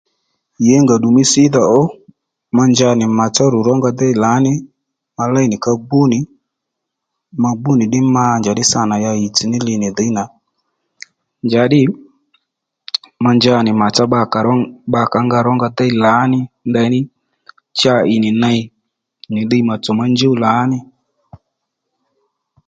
Yěngà ddù mí sídha ó ma njanì màtsá rù rónga déy lǎní ma léy nì ka gbú nì ma gbú nì ddí ma njàddí sǎ nà ya ɦìytss ní li nì dhǐy nà njǎddî ma nja nì màtsá bba kǎ bba kà rónga déy lǎní ndaní cha ì nì ney nì ddiy mà tsò ma njúw lǎní